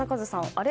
あれ。